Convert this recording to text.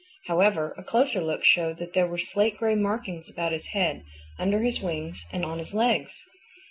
However, a closer look showed that there were slate gray markings about his head, under his wings and on his legs.